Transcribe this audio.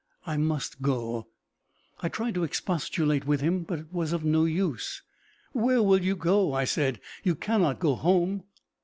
I must go!" I tried to expostulate with him, but it was of no use. "Where will you go?" I said. "You cannot go home!"